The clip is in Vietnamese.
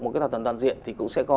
một thỏa thuận toàn diện thì cũng sẽ có